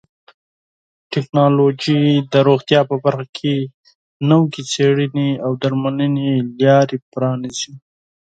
ټکنالوژي د روغتیا په برخه کې نوې څیړنې او درملنې لارې پرانیزي.